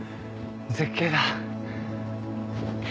絶景だ。